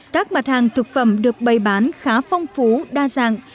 các mặt hàng thực phẩm được bày bán khá phong phú đa dạng